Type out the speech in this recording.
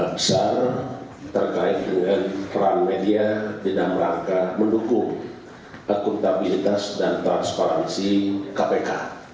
besar terkait dengan peran media dan rangka mendukung akuntabilitas dan transparansi kpk